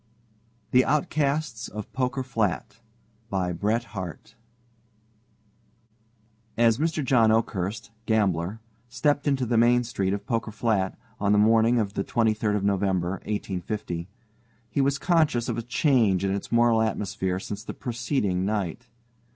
THE OUTCASTS OF POKER FLAT As Mr. John Oakhurst, gambler, stepped into the main street of Poker Flat on the morning of the twenty third of November, 1850, he was conscious of a change in its moral atmosphere since the preceding night.